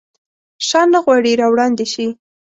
شاه نه غواړي راوړاندي شي.